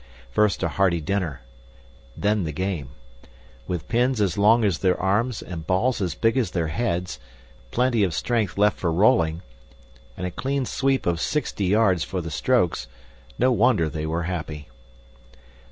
First a hearty dinner then the game. With pins as long as their arms and balls as big as their heads, plenty of strength left for rolling, and a clean sweep of sixty yards for the strokes no wonder they were happy.